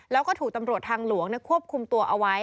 แล้วก็ถูกตำรวจทางหลวงควบคุมตัวเอาไว้